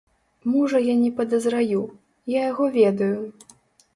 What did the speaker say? Мужа я не падазраю, я яго ведаю.